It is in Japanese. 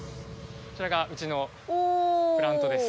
こちらがウチのプラントです。